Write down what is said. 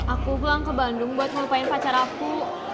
aku pulang ke bandung buat melupain pacar aku